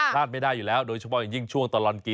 พลาดไม่ได้อยู่แล้วโดยเฉพาะอย่างยิ่งช่วงตลอดกิน